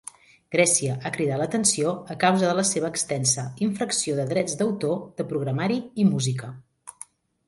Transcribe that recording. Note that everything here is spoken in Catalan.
Grècia ha cridat l'atenció a causa de la seva extensa infracció de drets d'autor de programari i música.